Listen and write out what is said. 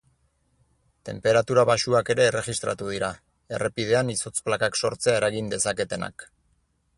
Tenperatura baxuak ere erregistratu dira, errepidean izotz-plakak sortzea eragin dezaketenak.